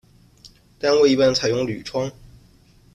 单位一般采用铝窗。